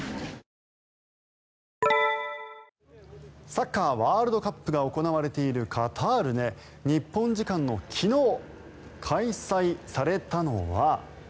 サッカーワールドカップが行われているカタールで日本時間の昨日開催されたのは。